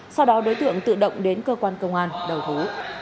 sau đó đối tượng tự động đến cơ quan công an đầu thú